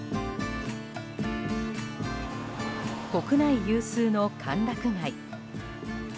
国内有数の歓楽街。